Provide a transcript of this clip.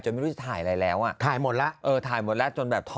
ไม่รู้จะถ่ายอะไรแล้วอ่ะถ่ายหมดแล้วเออถ่ายหมดแล้วจนแบบท้อ